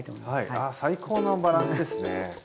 あ最高のバランスですね。